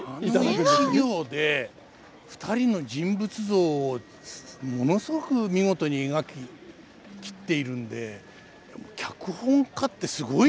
あの一行で２人の人物像をものすごく見事に描き切っているんで脚本家ってすごいですね。